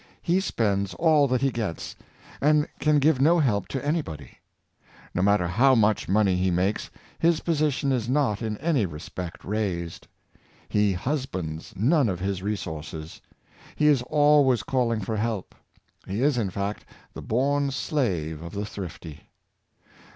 He spends all that he gets, and can give no help to any body. No matter how much money he makes, his position is not in any respect raised. He husbands none of his resources. He is always calling for help. He is, in fact, the born slave of the thrifty.